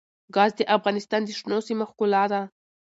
ګاز د افغانستان د شنو سیمو ښکلا ده.